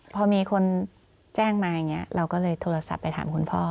พอมีคนแจ้งมาอย่างนี้เราก็เลยโทรศัพท์ไปถามคุณพ่อ